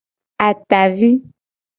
Atavi.